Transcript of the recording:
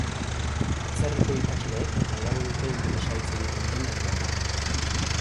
Atzerriko ikasleek nahiago dute ingelesa hitz egiten den herrialdeak.